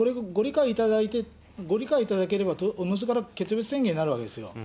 これ、ご理解いただければおのずから決別宣言になるわけですよ。